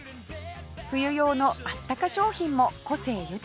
冬用のあったか商品も個性豊かです